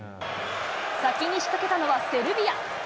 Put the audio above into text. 先に仕掛けたのはセルビア。